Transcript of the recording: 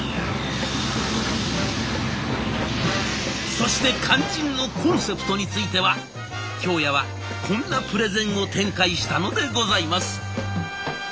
そして肝心のコンセプトについては京谷はこんなプレゼンを展開したのでございます。